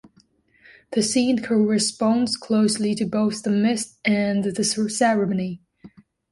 The scene corresponds closely to both the myth and the ceremony.